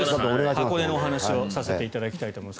箱根のお話をさせていただきたいと思います。